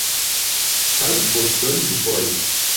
Kaj voĉdoni dufoje?